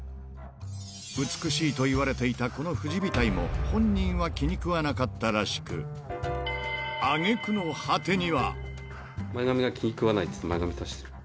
美しいといわれていたこの富士額も、本人は気に食わなかったらし前髪が気に食わないっていって、前髪足してる。